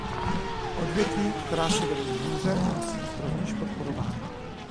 Odvětví, která si vedou hůře, musí být rovněž podporována.